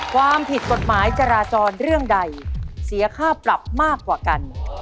ความผิดกฎหมายจราจรเรื่องใดเสียค่าปรับมากกว่ากัน